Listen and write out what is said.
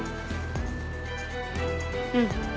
うん。